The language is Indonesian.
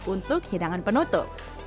untuk hidangan penutup